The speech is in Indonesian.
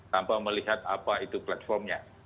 tanpa melihat apa itu platformnya